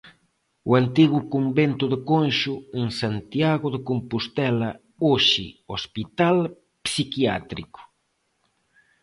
O antigo convento de Conxo en Santiago de Compostela, hoxe hospital psiquiátrico.